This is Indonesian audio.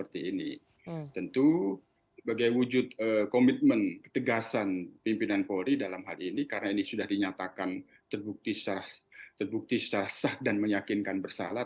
tentu sebagai wujud komitmen ketegasan pimpinan polri dalam hal ini karena ini sudah dinyatakan terbukti secara sah dan meyakinkan bersalah